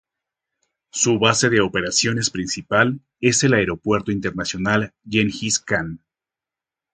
Su base de operaciones principal es el Aeropuerto Internacional Gengis Kan.